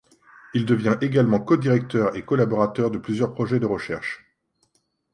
Il devient également codirecteur et collaborateur de plusieurs projets de recherche.